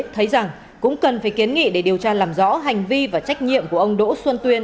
thấy rằng cũng cần phải kiến nghị để điều tra làm rõ hành vi và trách nhiệm của ông đỗ xuân tuyên